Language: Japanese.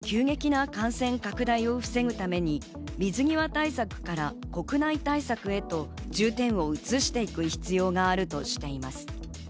専門家は国内の急激な感染拡大を防ぐために水際対策から国内対策へと重点を移していく必要があるとしています。